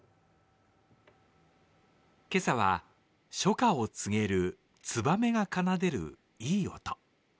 今朝は初夏を告げるツバメが奏でるいい音。